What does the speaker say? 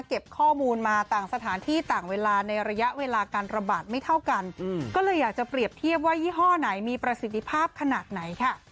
เก็บข้อมูลมาต่างสถานที่ต่างเวลาในระยะเวลาการระบาดไม่เท่ากันก็เลยอยากจะเปรียบเทียบว่ายี่ห้อไหนมีประสิทธิภาพขนาดไหนค่ะ